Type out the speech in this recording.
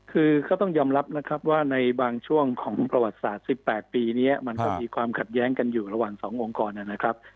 คือก็ต้องยอมรับนะครับว่าในบางช่วงของประวัติศาสตร์๑๘ปีนี้มันก็มีความขัดแย้งกันอยู่ระหว่าง๒องค์กรนะครับ